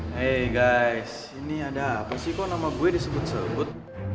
hei guys ini ada apa sih kok nama gue disebut sebut